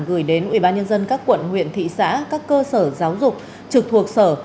gửi đến ubnd các quận huyện thị xã các cơ sở giáo dục trực thuộc sở